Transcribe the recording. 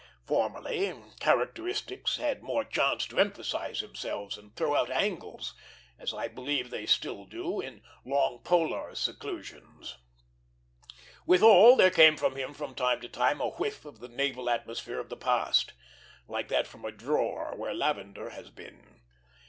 Formerly, characteristics had more chance to emphasize themselves and throw out angles, as I believe they still do in long polar seclusions. Withal, there came from him from time to time a whiff of the naval atmosphere of the past, like that from a drawer where lavender has been.